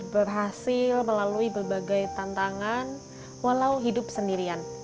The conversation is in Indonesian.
berhasil melalui berbagai tantangan walau hidup sendirian